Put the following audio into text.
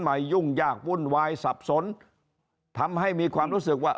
ยุ่งยากวุ่นวายสับสนทำให้มีความรู้สึกว่า